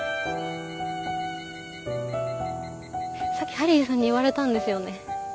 さっきハリーさんに言われたんですよね。